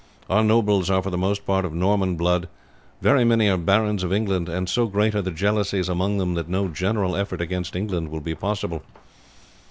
Our nobles are for the most part of Norman blood; very many are barons of England; and so great are the jealousies among them that no general effort against England will be possible.